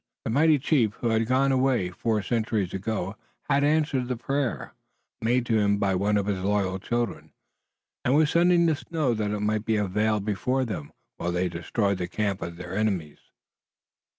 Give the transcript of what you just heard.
The mighty chief who had gone away four centuries ago had answered the prayer made to him by one of his loyal children, and was sending the snow that it might be a veil before them while they destroyed the camp of their enemies.